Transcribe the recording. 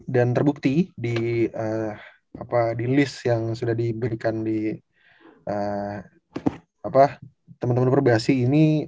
dan terbukti di list yang sudah diberikan teman teman perubahasi ini